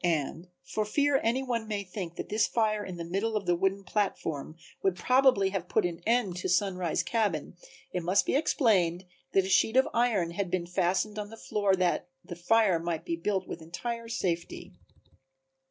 (And for fear any one may think that this fire in the middle of the wooden platform would probably have put an end to Sunrise cabin it must be explained that a sheet of iron had been fastened on the floor that the fire might be built with entire safety.)